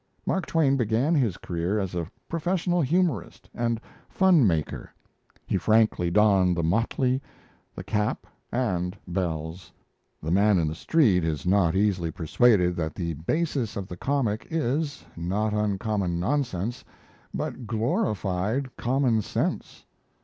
Mark Twain began his career as a professional humorist and fun maker; he frankly donned the motley, the cap and bells. The man in the street is not easily persuaded that the basis of the comic is, not uncommon nonsense, but glorified common sense.